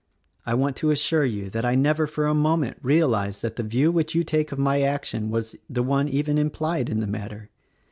I want to assure you that I never for a moment realized that the view which you take of my action was the one even implied in the matter.